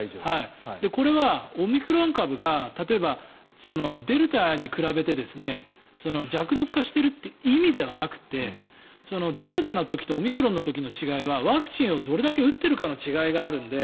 これはオミクロン株が例えばデルタに比べて弱毒化しているという意味ではなくてデルタの時とオミクロンの時の違いはワクチンをどれだけ打っているかの違いがあるので。